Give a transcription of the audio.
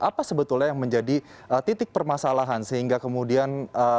apa sebetulnya yang menjadi titik permasalahan sehingga kemudian